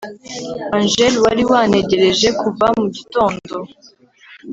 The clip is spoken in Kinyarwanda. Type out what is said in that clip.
Angel wari wantegereje kuva mu gitondo